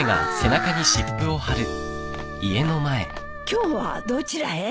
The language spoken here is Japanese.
今日はどちらへ？